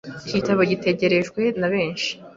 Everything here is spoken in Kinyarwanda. Iki gitabo cyategerejwe na benshi